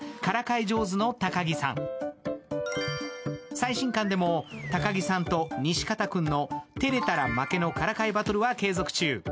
最新巻でも高木さんと西片君の照れたら負けのからかいバトルは継続中。